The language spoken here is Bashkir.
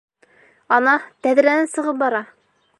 Ана, тәҙрәнән сығып бара!